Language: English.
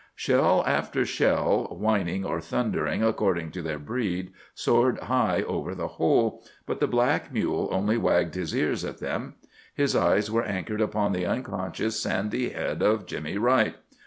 Shell after shell, whining or thundering according to their breed, soared high over the hole, but the black mule only wagged his ears at them. His eyes were anchored upon the unconscious sandy head of Jimmy Wright.